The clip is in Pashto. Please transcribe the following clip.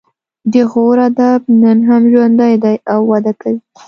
د غور ادب نن هم ژوندی دی او وده کوي